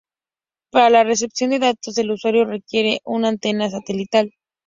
Para la recepción de datos, el usuario requiere una antena satelital.